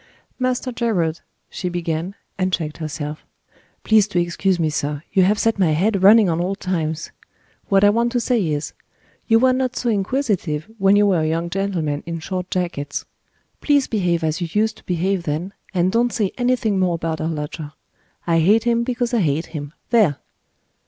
"Master Gerard," she began and checked herself. "Please to excuse me, sir; you have set my head running on old times. What I want to say is: you were not so inquisitive when you were a young gentleman in short jackets. Please behave as you used to behave then, and don't say anything more about our lodger. I hate him because I hate him. There!"